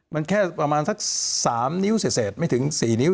มันแค่ประมาณสัก๓นิ้วเศษไม่ถึง๔นิ้ว